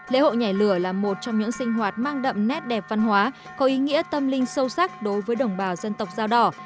lễ hội nhảy lửa là một trong những sinh hoạt mang đậm nét đẹp văn hóa có ý nghĩa tâm linh sâu sắc đối với đồng bào dân tộc dao đỏ